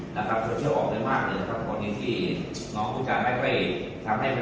คุณแม่อยากจะพูดอะไรกันทางสื่อในวันนี้แล้วกับน้อง